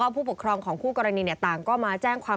ผู้ปกครองของคู่กรณีต่างก็มาแจ้งความ